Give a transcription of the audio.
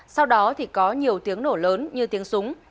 sau đó thì có nhiều tiếng nổ lớn như tiếng súng